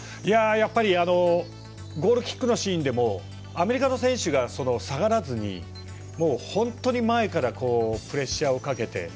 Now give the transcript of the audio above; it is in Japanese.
やっぱりゴールキックのシーンでもアメリカの選手が下がらずに本当に前からプレッシャーをかけて。